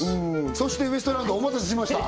そしてウエストランドお待たせしました